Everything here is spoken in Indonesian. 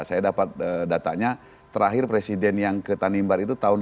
saya dapat datanya terakhir presiden yang ke tanimbar itu tahun seribu sembilan ratus lima puluh delapan